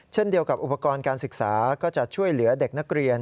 เช่นเดียวกับอุปกรณ์การศึกษาก็จะช่วยเหลือเด็กนักเรียน